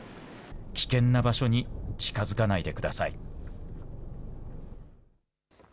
危険な場所に近づかないでください。